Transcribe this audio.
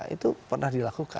itu pernah dilakukan